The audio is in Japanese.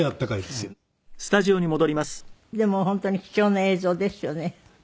でも本当に貴重な映像ですよね。